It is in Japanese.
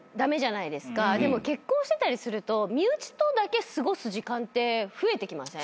でも結婚してたりすると身内とだけ過ごす時間って増えてきません？